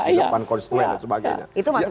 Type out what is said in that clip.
di depan konstituen dan sebagainya